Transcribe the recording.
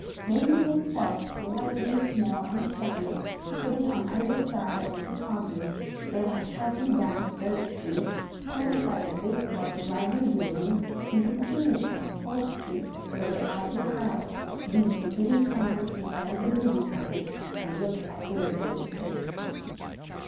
Making themselves politely small and quiet, sitting on either side of Mrs. Hargrave, they went trotting down Third Street, turned by the big white library building, and continued down Fourth Street where they eyed the crowds, read the giddy signs in front of the movie houses and looked at the window displays.